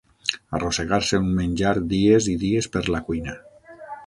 Arrossegar-se un menjar dies i dies per la cuina.